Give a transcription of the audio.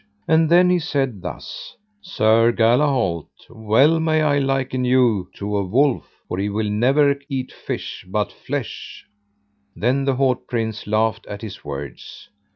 And then he said thus: Sir Galahalt, well may I liken you to a wolf, for he will never eat fish, but flesh; then the haut prince laughed at his words.